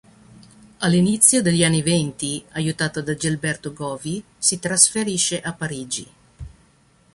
All'inizio degli anni venti, aiutato da Gilberto Govi, si trasferisce a Parigi.